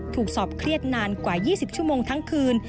ถูกสอบเครียดนานกว่า๒๐ชั่วโมงทั้งคืน